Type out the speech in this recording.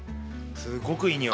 すっごくいい匂い。